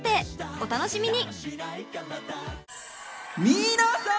［お楽しみに］